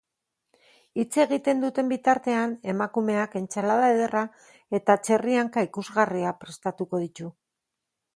Hitz egiten duten bitartean, emakumeak entsalada ederra eta txerri-hanka ikusgarriak prestatuko ditu.